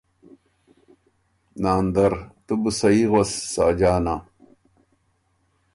ناندر ـــ”تُو بو سهي غؤس ساجانا!